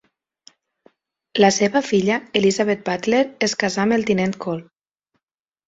La seva filla, Elizabeth Butler, es casà amb el tinent-col.